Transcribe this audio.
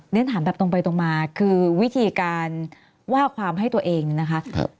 ฉันถามแบบตรงไปตรงมาคือวิธีการว่าความให้ตัวเองนะคะ